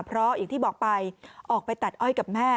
เพราะอย่างที่บอกไปออกไปตัดอ้อยกับแม่